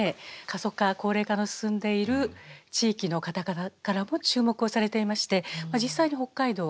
過疎化高齢化の進んでいる地域の方々からも注目をされていまして実際に北海道